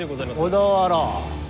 小田原？